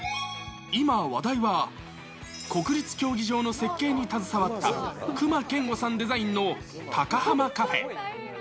今話題は、国立競技場の設計に携わった隈研吾さんデザインのタカハマカフェ。